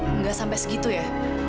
enggak sampai segitu ya